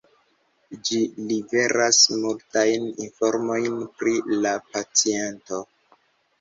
Ĝi liveras multajn informojn pri la paciento.